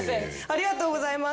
ありがとうございます。